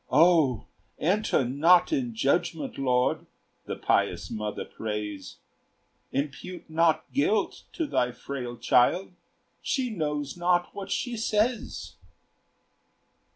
"O enter not in judgment, Lord!" The pious mother prays; Impute not guilt to thy frail child! She knows not what she says.